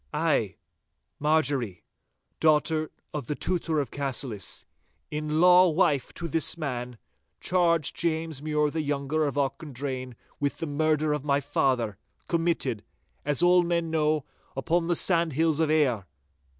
'I, Marjorie, daughter of the Tutor of Cassillis, in law wife to this man, charge James Mure the younger of Auchendrayne with the murder of my father, committed, as all men know, upon the sandhills of Ayr.